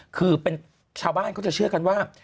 คือเป็นชาวบ้านเขาจะเชื่อกันว่า